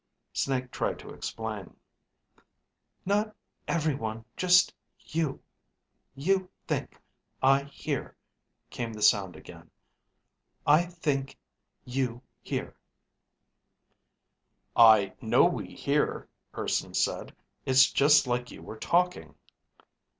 Snake tried to explain. Not ... everyone ... Just ... you ... You ... think ... I ... hear ... came the sound again. I ... think ... You ... hear. "I know we hear," Urson said. "It's just like you were talking."